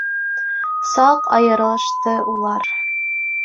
Саҡ айырылышты улар.